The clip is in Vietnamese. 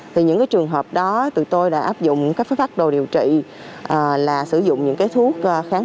thì những cái trường hợp đó tụi tôi đã áp dụng cách phát đồ điều trị là sử dụng những cái thuốc kháng